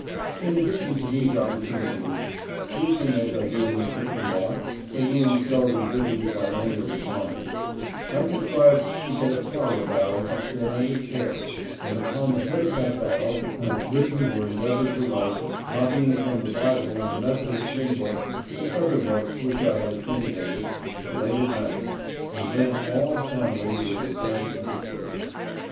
In addition to these opportunities, sleeping as I did in the kitchen loft, a room seldom visited by any of the family, I contrived to get a flour barrel up there and a chair, and upon the head of that barrel I have written, or endeavored to write, copy ing from the Bible and the Methodist hymn book, and other books which I had accumulated, till late at night, and when all the family were in bed and asleep.